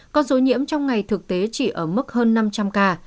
con số nhiễm trong ngày thực tế chỉ ở mức hơn năm trăm linh ca